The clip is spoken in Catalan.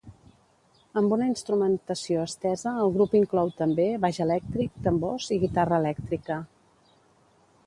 Amb una instrumentació estesa el grup inclou també baix elèctric, tambors i guitarra elèctrica.